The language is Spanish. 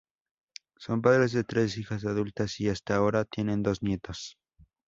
Son padres de tres hijas adultas y –hasta ahora- tienen dos nietos.